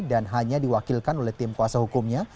dan hanya diwakilkan oleh tim kuasa hukumnya